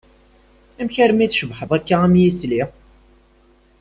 Amek armi d-tcebbḥeḍ akka am yisli?